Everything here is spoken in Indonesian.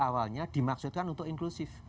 awalnya dimaksudkan untuk inklusif